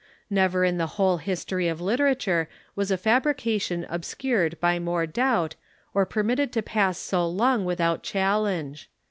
Never in the whole history of literature was a fabrication obscured by more doubt or per mitted to pass so long without challenge.